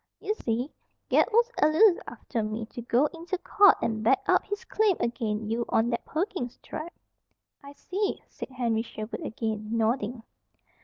"Ye see, Ged was allus after me to go inter court an' back up his claim ag'in you on that Perkins Tract." "I see," said Henry Sherwood again, nodding.